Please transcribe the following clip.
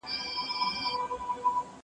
زه به سپينکۍ مينځلي وي؟